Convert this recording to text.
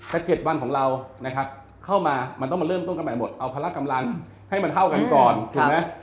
แต่๗วันของเรานะครับเข้ามามันต้องมาเริ่มต้นกันใหม่หมดเอาพละกำลังให้มันเท่ากันก่อนถูกไหม